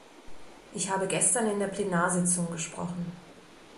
Ich habe gestern in der Plenarsitzung gesprochen.